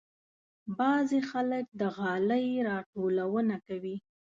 بعضې خلک د غالۍ راټولونه کوي.